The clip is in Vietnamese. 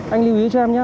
anh lưu ý cho em nhé